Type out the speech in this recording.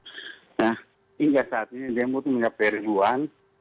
nah hingga saat ini demo itu mencapai ribuan